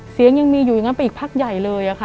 ยังมีอยู่อย่างนั้นไปอีกพักใหญ่เลยค่ะ